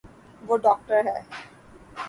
وہ داکٹر ہے